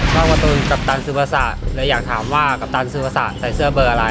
การ์ตูนกัปตันซื้อประสาทอยากถามว่ากัปตันซื้อประสาทใส่เสื้อเบอร์อะไร